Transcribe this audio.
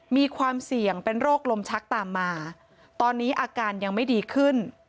มีความเสี่ยงเป็นโรคลมชักตามมาตอนนี้อาการยังไม่ดีขึ้น